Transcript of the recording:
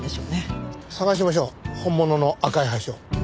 捜しましょう本物の赤い橋を。